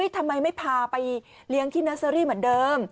ทำไมไม่พาไปเลี้ยงที่เนอร์เซอรี่เหมือนเดิม